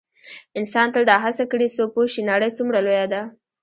انسان تل دا هڅه کړې څو پوه شي نړۍ څومره لویه ده.